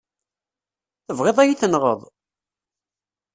Tebɣiḍ ad yi-tenɣeḍ?